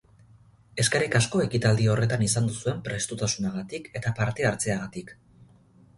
Eskerrik asko ekitaldi horretan izan duzuen prestutasunagatik eta parte hartzeagatik.